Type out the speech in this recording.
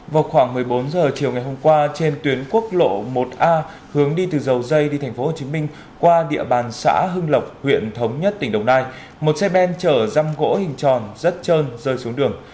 vào khoảng một mươi bốn h chiều ngày hôm qua trên tuyến quốc lộ một a hướng đi từ dầu dây đi tp hcm qua địa bàn xã hưng lộc huyện thống nhất tỉnh đồng nai một xe ben chở răm gỗ hình tròn rất trơn rơi xuống đường